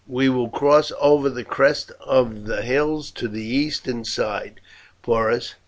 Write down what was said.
We will cross over the crest of the hills to the eastern side, Porus.